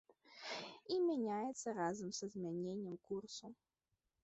І мяняецца разам са змяненнем курсу.